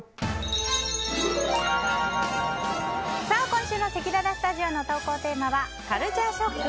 今週のせきららスタジオの投稿テーマはカルチャーショック！？